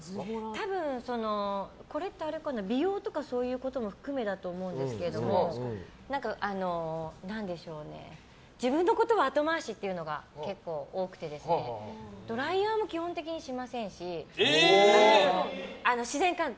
多分、美容とかそういうことも含めだと思うんですけど自分のことは後回しっていうのが結構多くてですねドライヤーも基本的にしませんし自然乾燥。